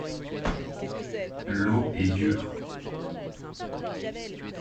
L'eau est dure.